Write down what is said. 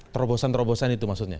terobosan terobosan itu maksudnya